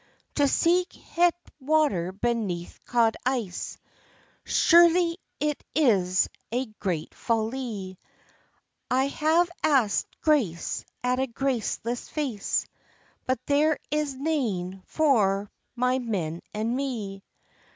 "To seek het water beneath cauld ice, Surely it is a great follie: I have ask'd grace at a graceless face, But there is nane for my men and me.